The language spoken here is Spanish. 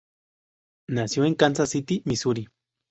Nació en Kansas City, Misuri.